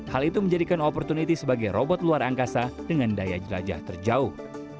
hal itu menjadikan opportunity sebagai robot luar angkasa dengan daya jelajah terjauh